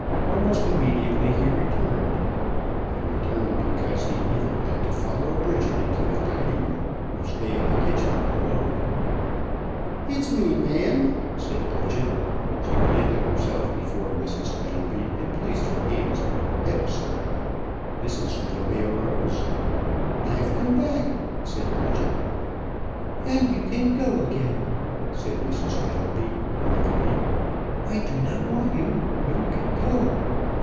Almost immediately he returned. He returned because he either had to follow Bridget into the dining room or stay in the kitchen alone. "It's me, ma'am," said Bridget. She planted herself before Mrs. Fenelby and placed her hands on her hips. Mrs. Fenelby arose. "I've come back," said Bridget. "And you can go again," said Mrs. Fenelby regally. "I do not want you, you can go!"